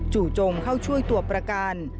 จู่โจมเข้าช่วยตัวประกัน